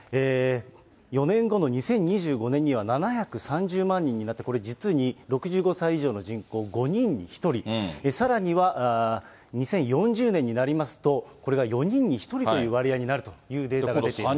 ４年後の２０２５年には７３０万人になって、これ実に６５歳以上の人口、５人に１人、さらには、２０４０年になりますと、これが４人に１人という割合になるというデータが出ています。